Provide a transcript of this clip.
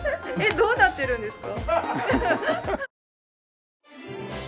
どうなってるんですか？